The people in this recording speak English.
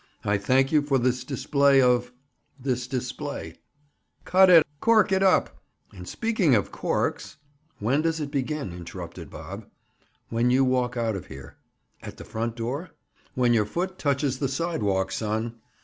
"I thank you for this display of—this display—" "Cut it!" "Cork it up! And speaking of corks—" "When does it begin?" interrupted Bob. "When you walk out of here," "At the front door?" "When your foot touches the sidewalk, son."